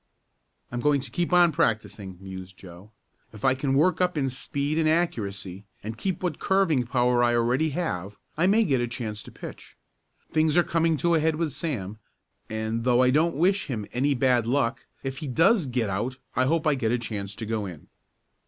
"I'm going to keep on practicing," mused Joe. "If I can work up in speed and accuracy, and keep what curving power I have already, I may get a chance to pitch. Things are coming to a head with Sam, and, though I don't wish him any bad luck, if he does get out I hope I get a chance to go in."